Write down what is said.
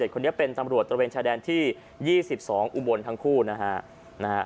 คนนี้เป็นตำรวจตระเวนชายแดนที่๒๒อุบลทั้งคู่นะฮะ